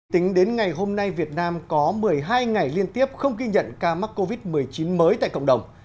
tính đến ngày hôm nay việt nam có một mươi hai ngày liên tiếp không ghi nhận ca mắc covid một mươi chín mới tại cộng đồng